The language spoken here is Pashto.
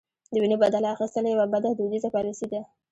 د وینو بدل اخیستل یوه بده دودیزه پالیسي ده.